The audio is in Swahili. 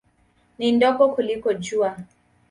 Ni ndogo kuliko Jua.